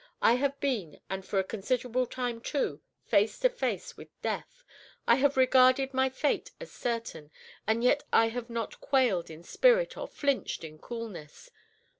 I have been, and for a considerable time too, face to face with death. I have regarded my fate as certain, and yet have I not quailed in spirit or flinched in coolness.